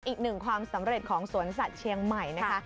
อีกหนึ่งความสำเร็จของสวนสัตว์เชียงใหม่นะคะ